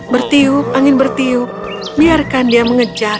bertiup angin bertiup biarkan dia mengejar